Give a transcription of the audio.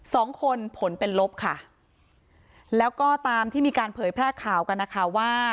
สองคนผลเป็นลบค่ะแล้วก็ตามที่มีการเผยแพร่ข่าวกันนะคะว่า